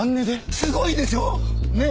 すごいでしょ？ね？